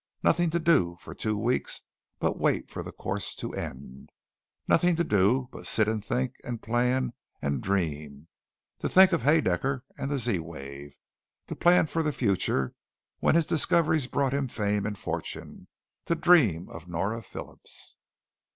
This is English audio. Nothing to do for two weeks but wait for the course to end. Nothing to do but to sit and think, and plan, and dream. To think of Haedaecker and the Z wave; to plan for the future when his discoveries brought him fame and fortune; to dream of Nora Phillips.